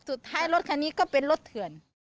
สุดท้ายรถคันนี้ก็เป็นรถเถื่อน